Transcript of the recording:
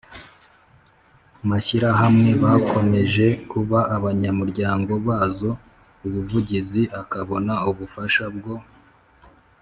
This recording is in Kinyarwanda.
mashyirahamwe bakomeje kuba abanyamuryango bazo ubuvugizi akabona ubufasha bwo